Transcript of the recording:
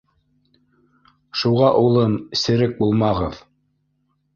Шуға, улым, серек булмағыҙ!